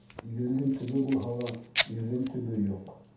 Иҙелдең төбө булһа ла, ирҙең төбө юҡ.